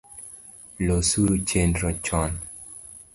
Losuru chenro chon